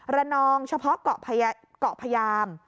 นองเฉพาะเกาะพยาม